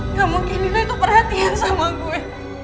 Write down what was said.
nggak mungkin nina itu perhatian sama gue